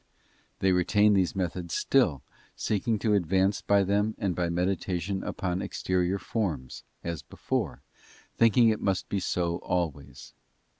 They retain these methods still, seeking to advance by them and by meditation upon exterior forms, as before, thinking that it must be so always.